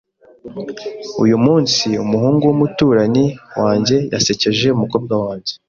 Uyu munsi umuhungu w'umuturanyi wanjye yasekeje umukobwa wanjye.